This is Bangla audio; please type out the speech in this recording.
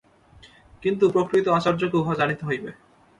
কিন্তু প্রকৃত আচার্যকে উহা জানিতে হইবে।